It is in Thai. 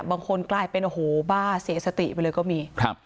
บางคนกลายเป็นโอ้โหบ้าเสียสติไปเลยก็มีครับ